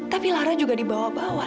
tapi lara juga dibawa bawa